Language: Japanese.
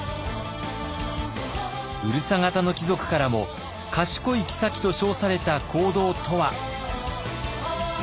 うるさ型の貴族からも賢い后と称された行動とは？